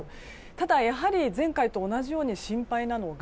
ただ、やはり前回と同じように心配なのが